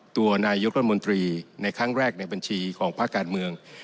ตัวนายกรัฐมนตรีในครั้งแรกในบัญชีของภาคการเมือง